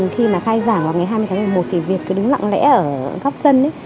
khi mà khai giảng vào ngày hai mươi tháng một mươi một thì việc cứ đứng lặng lẽ ở góc sân ấy